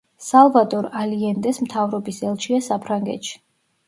სალვადორ ალიენდეს მთავრობის ელჩია საფრანგეთში.